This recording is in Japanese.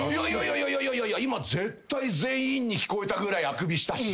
いやいや今絶対全員に聞こえたぐらいあくびしたし。